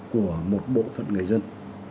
của một bộ phận người dân